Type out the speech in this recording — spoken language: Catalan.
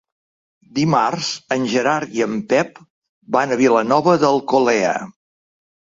Dimarts en Gerard i en Pep van a Vilanova d'Alcolea.